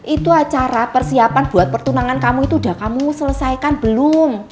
itu acara persiapan buat pertunangan kamu itu udah kamu selesaikan belum